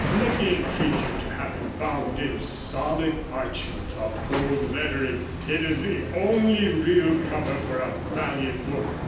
Let me entreat you to have them bound in solid parchment with gold lettering. It is the only real cover for a valiant book.